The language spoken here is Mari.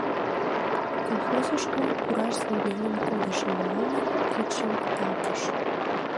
Колхозышко пураш заявленийым кондышым, — манын, кидшым викталтыш.